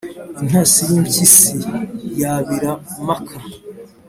Intasi y’impyisi yabira maka.